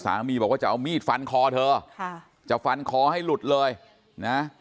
บอกว่าจะเอามีดฟันคอเธอค่ะจะฟันคอให้หลุดเลยนะ